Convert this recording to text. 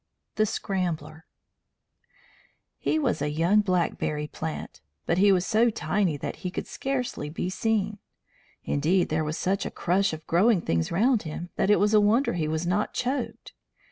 THE SCRAMBLER He was a young blackberry plant; but he was so tiny that he could scarcely be seen. Indeed, there was such a crush of growing things round him that it was a wonder he was not choked.